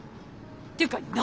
っていうか何？